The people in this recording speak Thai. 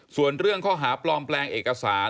ส่วนเรื่องข้อหาปลอมแปลงเอกสาร